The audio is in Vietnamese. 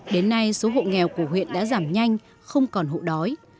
đến nay số hộ nghèo của huyện đã giảm nhanh không còn hộ đói